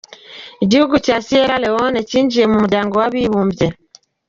Igihugu cya Sierra Leone cyinjiye mu muryango w’abibumbye.